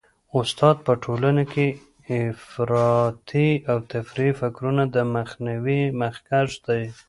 استاد په ټولنه کي د افراطي او تفریطي فکرونو د مخنیوي مخکښ دی.